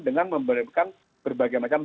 dengan memberikan berbagai macam